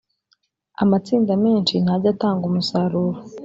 amatsinda menshi ntajya atanga umusaruro